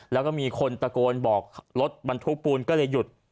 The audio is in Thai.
แล้วก็มีคนตะโกนบอกรถบรรทุกปูนก็เลยหยุด